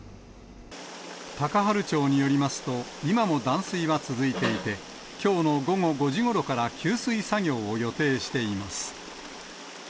高原町によりますと、今も断水は続いていて、きょうの午後５時ごろから給水作業を予定しています。